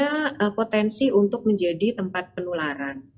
ada potensi untuk menjadi tempat penularan